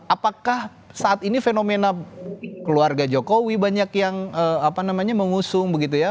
apakah saat ini fenomena keluarga jokowi banyak yang mengusung begitu ya